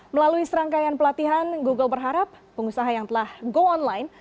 melalui serangkaian pelatihan google berharap pengusaha yang telah go online